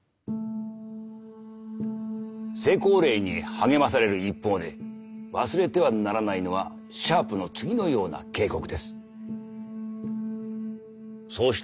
成功例に励まされる一方で忘れてはならないのはシャープの次のような警告です。